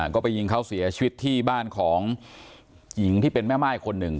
ก็ไปยิงเขาเสียชีวิตที่บ้านของหญิงที่เป็นแม่ม่ายคนหนึ่ง